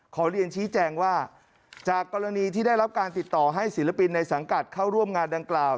ขอเรียนชี้แจงว่าจากกรณีที่ได้รับการติดต่อให้ศิลปินในสังกัดเข้าร่วมงานดังกล่าว